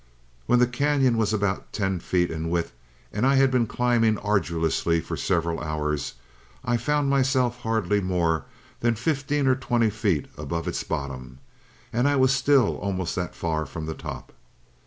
"When the cañon was about ten feet in width, and I had been climbing arduously for several hours, I found myself hardly more than fifteen or twenty feet above its bottom. And I was still almost that far from the top.